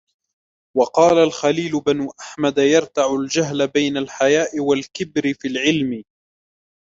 وَقَالَ الْخَلِيلُ بْنُ أَحْمَدَ يَرْتَعُ الْجَهْلُ بَيْنَ الْحَيَاءِ وَالْكِبَرِ فِي الْعِلْمِ